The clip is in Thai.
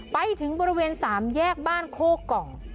ไปถึงบริเวณ๓แยกบ้านโคกอง